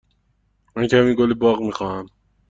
من کمی گل باغ می خواهم.